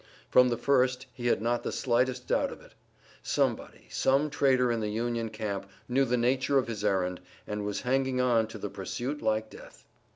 From the first he had not the slightest doubt of it. Somebody, some traitor in the Union camp, knew the nature of his errand, and was hanging on to the pursuit like death.